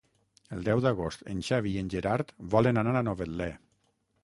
El deu d'agost en Xavi i en Gerard volen anar a Novetlè.